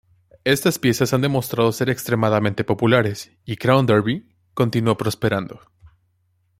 Estas piezas han demostrado ser extremadamente populares, y Crown Derby continuó prosperando.